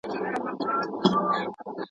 که زه مړ سوم ما به څوک په دعا یاد کي.